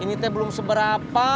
ini teh belum seberapa